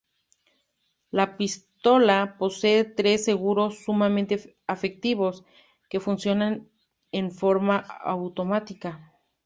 La pistola posee tres seguros sumamente efectivos que funcionan en forma automática.